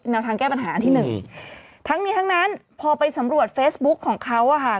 แนวทางแก้ปัญหาอันที่หนึ่งทั้งนี้ทั้งนั้นพอไปสำรวจเฟซบุ๊คของเขาอ่ะค่ะ